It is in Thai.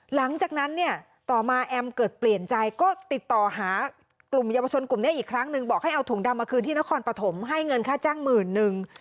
หลังจากนั้นเนี่ยต่อมาแอมเกิดเปลี่ยนใจก็ติดต่อหากลุ่มเยาวชนกลุ่มนี้อีกครั้งหนึ่งบอกให้เอาถุงดำมาคืนที่นครปฐมให้เงินค่าจ้างหมื่นนึง